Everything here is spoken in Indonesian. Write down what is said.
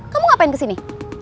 kamu ngapain kesini